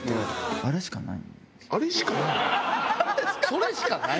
それしかない？